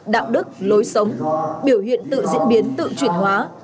đạo đức lối sống biểu hiện tự diễn biến tự chuyển hóa